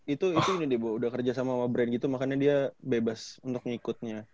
itu udah kerja sama sama brand gitu makanya dia bebas untuk ngikutnya